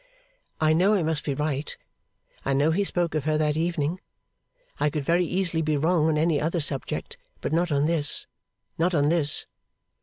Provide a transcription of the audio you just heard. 'I know I must be right. I know he spoke of her that evening. I could very easily be wrong on any other subject, but not on this, not on this!